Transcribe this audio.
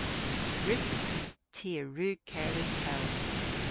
Gwrussys. Ty a wrug kerdhes pell.